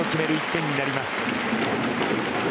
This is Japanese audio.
１点になります。